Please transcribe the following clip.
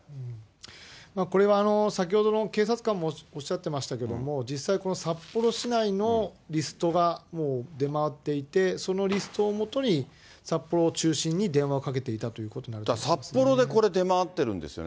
これは先ほどの警察官もおっしゃってましたけど、実際、この札幌市内のリストがもう出回っていて、そのリストをもとに札幌を中心に電話をかけていたというこ札幌でこれ出回ってるんですよね。